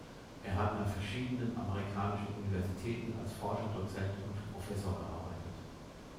Er hat an verschiedenen amerikanischen Universitäten als Forscher, Dozent und Professor gearbeitet.